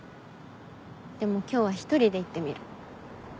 でも今日は１人で行ってみる。